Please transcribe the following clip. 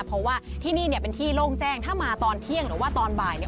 เพราะว่าที่นี่เนี่ยเป็นที่โล่งแจ้งถ้ามาตอนเที่ยงหรือว่าตอนบ่ายเนี่ย